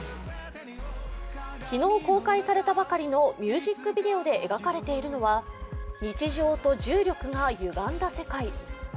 昨日公開されたばかりのミュージックビデオで描かれているのは日常と重力がゆがんだ世界。